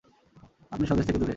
আপনি স্বদেশ থেকে দূরে।